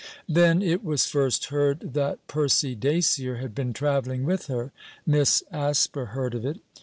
Then it was first heard that Percy Dacier had been travelling with her. Miss Asper heard of it.